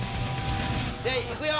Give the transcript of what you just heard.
じゃあいくよ。